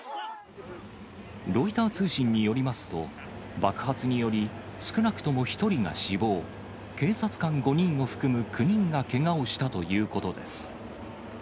ロイター通信によりますと、爆発により、少なくとも１人が死亡、警察官５人を含む９人がけがをしたということです。